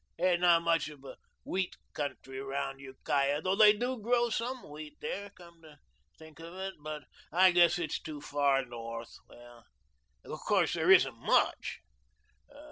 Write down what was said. That's not much of a wheat country round Ukiah though they DO grow SOME wheat there, come to think. But I guess it's too far north. Well, of course there isn't MUCH.